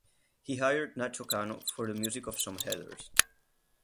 He hired Nacho Cano for the music of some headers.